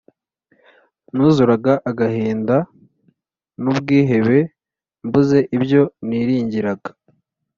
Nuzuraga agahinda n’ubwihebe mbuze ibyo niringiraga